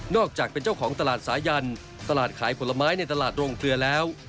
อกจากเป็นเจ้าของตลาดสายันตลาดขายผลไม้ในตลาดโรงเกลือแล้ว